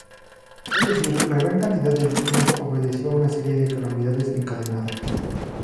Es decir, la gran cantidad de víctimas obedeció a una serie de calamidades encadenadas.